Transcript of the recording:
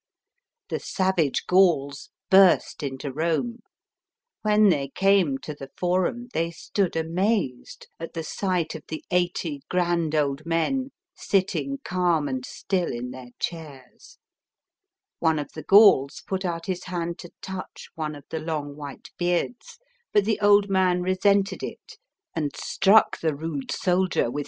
The savage Gauls burst into Rome. When they came to the Forum they stood amazed, at the sight of the eighty grand old men, sitting calm and still in their chairs. One of the Gauls put out his hand to touch one of the long white beards, but the old man resented it and struck the rude soldier with B,c. 390.] CAPTURE OF ROME.